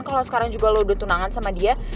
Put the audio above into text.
kalau sekarang juga lo udah tunangan sama dia